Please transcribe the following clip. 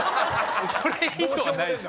それ以上はないです。